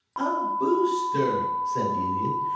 "A Booster," said the Idiot.